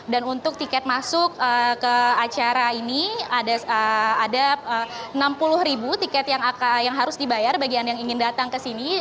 dan untuk tiket masuk ke acara ini ada rp enam puluh tiket yang harus dibayar bagi yang ingin datang ke sini